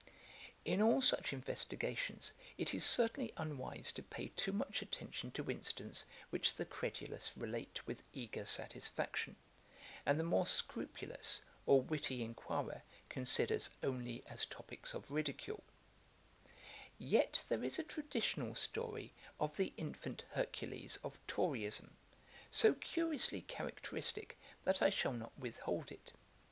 In all such investigations it is certainly unwise to pay too much attention to incidents which the credulous relate with eager satisfaction, and the more scrupulous or witty enquirer considers only as topicks of ridicule: Yet there is a traditional story of the infant Hercules of toryism, so curiously characteristick, that I shall not withhold it.